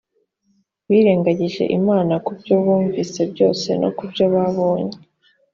birengagije imana ku byo bumvise byose no ku byo babonye